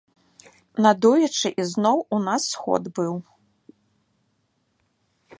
Надоечы ізноў у нас сход быў.